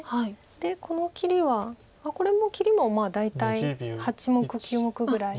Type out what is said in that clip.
でこの切りはあっこれも切りも大体８目９目ぐらい。